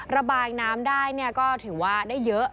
ระบายน้ำได้ก็ถือว่าได้เยอะ